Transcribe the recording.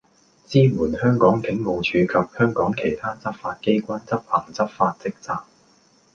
支援香港警務處及香港其他執法機關執行執法職責